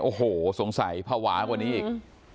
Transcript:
โอ้โหสงสัยภาวะกว่านี้อีก